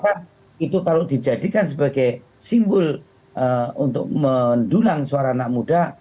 karena itu kalau dijadikan sebagai simbol untuk mendulang suara anak muda